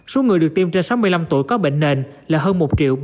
số người được tiêm trên sáu mươi năm tuổi có bệnh nền là hơn một ba mươi chín